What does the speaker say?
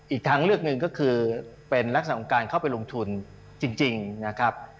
อีกทางเลือกหนึ่งก็คือเป็นลักษณะของการเข้าไปลงทุนจริงนะครับ